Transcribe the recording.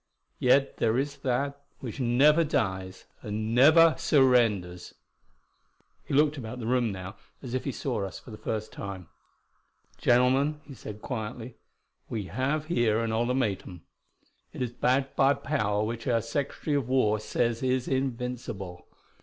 Yet there is that which never dies and never surrenders." He looked about the room now, as if he saw us for the first time. "Gentlemen," he said quietly, "we have here an ultimatum. It is backed by power which our Secretary of War says is invincible.